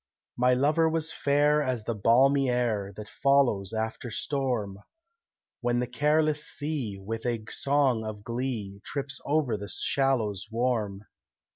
My lover was fair as the balmy air That follows after storm, When the careless sea, with a song of glee, Trips over the shallows warm.